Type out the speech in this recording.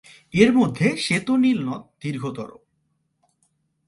এর মধ্যে শ্বেত নীল নদ দীর্ঘতর।